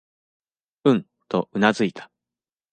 うん、とうなずいた。